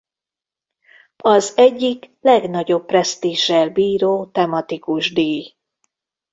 Az egyik legnagyobb presztízzsel bíró tematikus díj.